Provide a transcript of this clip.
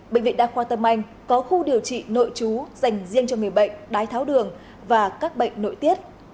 bệnh viện đào khoa tâm anh có khu điều trị nội trú dành riêng cho người bệnh đáy tháo đường và các bệnh nội tiết